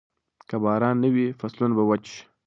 که باران نه وي، فصلونه به وچ شي.